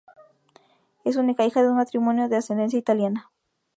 Es única hija de un matrimonio de ascendencia italiana.